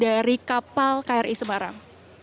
dari kapal kri semarang